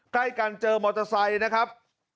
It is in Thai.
ใกล้กันเจอมอเตอร์ไซค์นะครับ